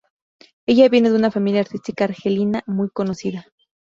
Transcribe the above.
Ella viene de una familia artística argelina muy conocida.